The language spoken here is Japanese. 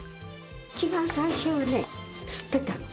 一番最初はね、すってたの。